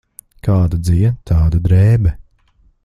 Kāda dzija, tāda drēbe.